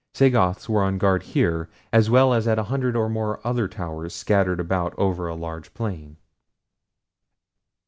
Sagoths were on guard here as well as at a hundred or more other towers scattered about over a large plain.